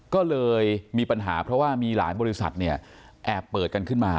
ก็เลยมีปัญหาเพราะว่ามีหลายบริษัทเนี่ยแอบเปิดกันขึ้นมา